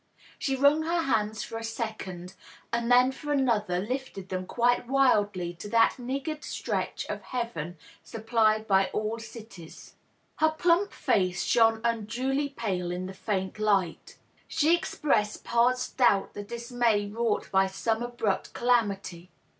She wrung her hands for a second and then for another lifted them quite wildly to that niggard stretch of heaven supplied by all cities. Her plump &ce shone unduly pale in the faint light. She expressed past doubt the dismay wrought by some abrupt calamity.